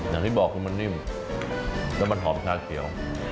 อย่างที่บอกคือมันนิ่มแล้วมันหอมชาเขียว